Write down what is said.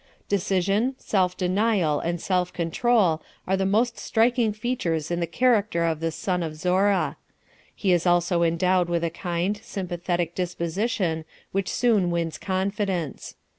Decision, self denial and self control are the most striking features in the character of this son of Zorra. He is also endowed with a kind, sympathetic disposition which soon wins confidence.